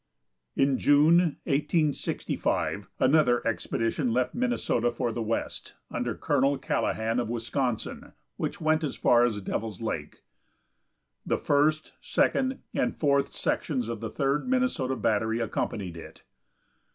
In June, 1865, another expedition left Minnesota for the west, under Colonel Callahan of Wisconsin, which went as far as Devil's lake. The first, second and fourth sections of the Third Minnesota battery accompanied it.